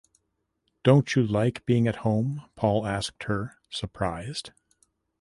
“Don’t you like being at home?” Paul asked her, surprised.